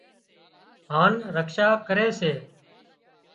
هانَ رکشا ڪري سي